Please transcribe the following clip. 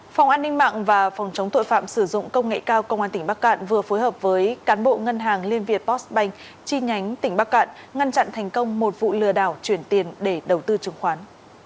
phòng an ninh mạng và phòng chống tội phạm sử dụng công nghệ cao công an tỉnh bắc cạn vừa phối hợp với cán bộ ngân hàng liên việt postbank chi nhánh tỉnh bắc cạn ngăn chặn thành công một vụ lừa đảo chuyển tiền để đầu tư trường khoán